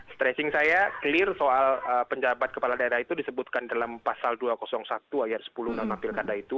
stressing saya clear soal penjabat kepala daerah itu disebutkan dalam pasal dua ratus satu ayat sepuluh undang undang pilkada itu